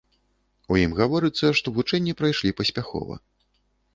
У ім гаворыцца, што вучэнні прайшлі паспяхова.